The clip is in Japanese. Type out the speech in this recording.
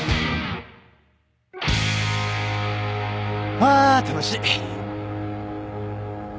あ楽しい。